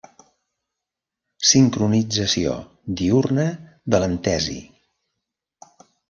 Sincronització diürna de l'antesi.